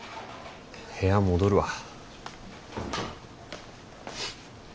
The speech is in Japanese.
部屋戻るわ。